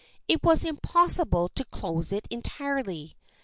It was impossible to close it entirely.